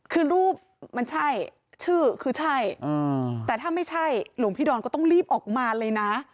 คือรูปมันใช่ชื่อคือใช่แต่ถ้าไม่ใช่หลวงพี่ดอนก็ต้องรีบออกมาเลยนะ